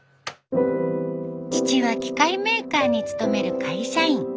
父は機械メーカーに勤める会社員。